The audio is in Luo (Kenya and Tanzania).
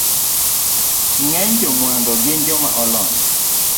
Ng’eny jomaundu gin joma olony